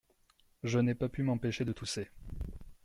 Je n’ai pas pu m’empêcher de tousser.